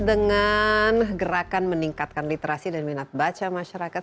dengan gerakan meningkatkan literasi dan minat baca masyarakat